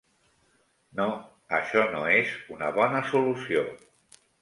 No, això no és una bona solució.